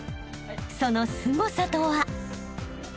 ［そのすごさとは？］